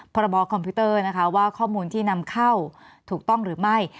พรบคอมพิวเตอร์นะคะว่าข้อมูลที่นำเข้าถูกต้องหรือไม่